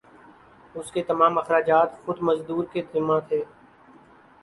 اس کے تمام اخراجات خود مزدور کے ذمہ تھے